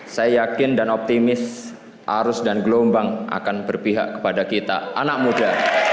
saya yakin dan optimis arus dan gelombang akan berpihak kepada kita anak muda